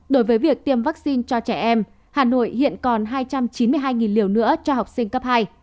đối với việc tiêm vaccine cho trẻ em hà nội hiện còn hai trăm chín mươi hai liều nữa cho học sinh cấp hai